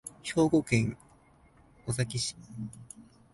兵庫県尼崎市